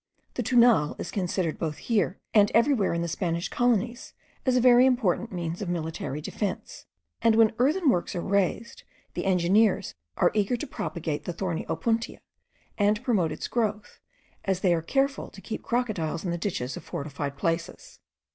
The Tunal is considered both here and everywhere in the Spanish colonies as a very important means of military defence; and when earthen works are raised, the engineers are eager to propagate the thorny opuntia, and promote its growth, as they are careful to keep crocodiles in the ditches of fortified places.